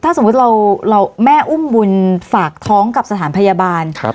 ถ้าสมมุติเราแม่อุ้มบุญฝากท้องกับสถานพยาบาล